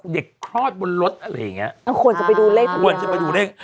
เด็กคลอดบนรถอะไรอย่างเงี้ยควรจะไปดูเลข